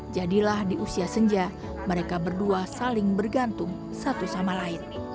jadilah di usia senja mereka berdua saling bergantung satu sama lain